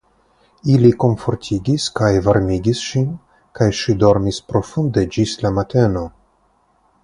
Ili komfortigis kaj varmigis ŝin kaj ŝi dormis profunde ĝis la mateno.